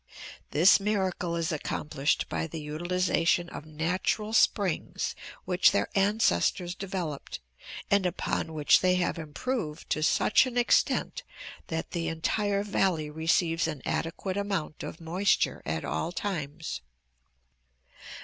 This miracle is accomplished by the utilization of natural springs which their ancestors developed, and upon which they have improved to such an extent that the entire valley receives an adequate amount of moisture at all times.